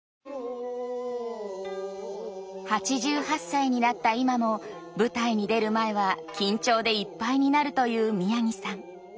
８８歳になった今も舞台に出る前は緊張でいっぱいになるという宮城さん。